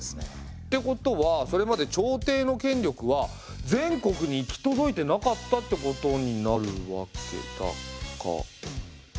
ってことはそれまで朝廷の権力は全国に行き届いてなかったってことになるわけだか。